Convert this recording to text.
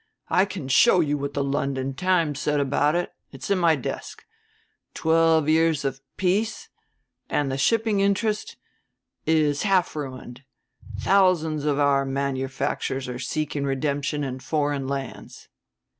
I can show you what the London Times said about that, it's in my desk: 'Twelve years of peace, and...the shipping interest...is half ruined...thousands of our manufactures are seeking redemption in foreign lands.'